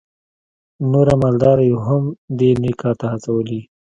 نور مالداره یې هم دې نېک کار ته هڅولي.